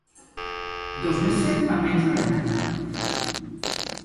Dos més set fan menys de deu.